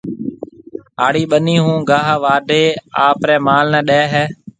هاڙِي ٻنِي هون گاها واڍيَ اپريَ مال نَي ڏيَ هيَ۔